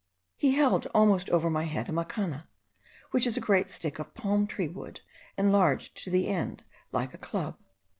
He held almost over my head a macana, which is a great stick of palm tree wood, enlarged to the end like a club.